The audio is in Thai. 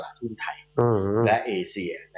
ตลาดทุนไทยและเอเซีย